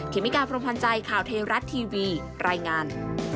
เมกาพรมพันธ์ใจข่าวเทวรัฐทีวีรายงาน